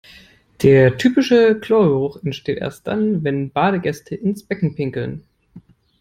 Der typische Chlorgeruch entsteht erst dann, wenn Badegäste ins Becken pinkeln.